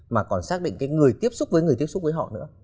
mà còn xác định cái người tiếp xúc với người tiếp xúc với họ nữa